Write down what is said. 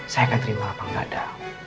saya akan terima apa nggak ada